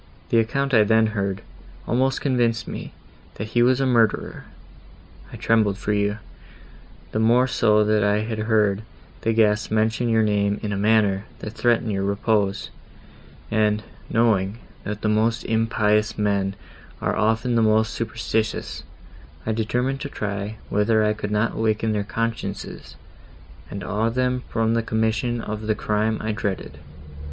The account I then heard, almost convinced me, that he was a murderer. I trembled for you;—the more so that I had heard the guests mention your name in a manner, that threatened your repose; and, knowing, that the most impious men are often the most superstitious, I determined to try whether I could not awaken their consciences, and awe them from the commission of the crime I dreaded.